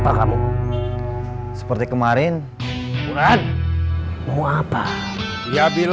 apa kamu seperti kemarin buat mau apa ya bilang mau seperti kemarin seperti kemarin itu apa kemarin